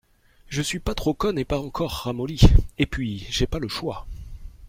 Je suis pas trop conne et pas encore ramollie. Et puis j’ai pas le choix.